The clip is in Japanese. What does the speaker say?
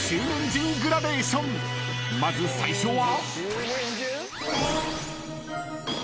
［まず最初は］